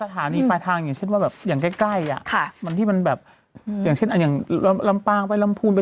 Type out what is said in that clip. ไม่มีที่จะนั่งอีกหรือเปล่านานด้วย